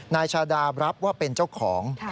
นายชาดารับว่าเป็นเจ้าของ